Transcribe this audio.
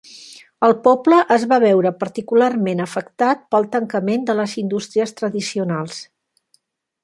El poble es va veure particularment afectat pel tancament de les indústries tradicionals.